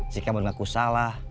si kemod ngaku salah